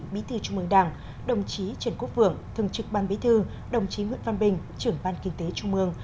bí thư trung mương đảng đồng chí trần quốc vượng thường trực ban bí thư đồng chí nguyễn văn bình trưởng ban kinh tế trung mương